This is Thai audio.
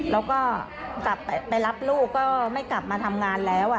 แล้วก็กลับไปรับลูกก็ไม่กลับมาทำงานแล้ว